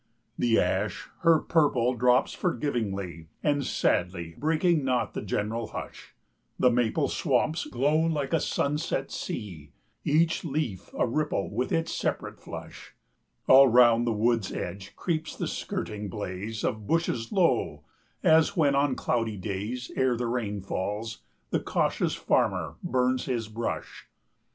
The ash her purple drops forgivingly And sadly, breaking not the general hush; The maple swamps glow like a sunset sea, Each leaf a ripple with its separate flush; All round the wood's edge creeps the skirting blaze 75 Of bushes low, as when, on cloudy days, Ere the rain falls, the cautious farmer burns his brush.